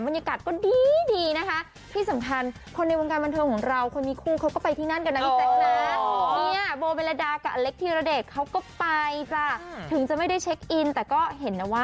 แม่เดี๋ยวฉันเป็นคนเชียงรายเดี๋ยวฉันรู้เลย